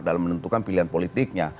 dalam menentukan pilihan politiknya